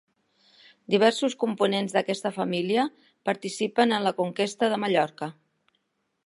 Diversos components d'aquesta família participaren en la conquesta de Mallorca.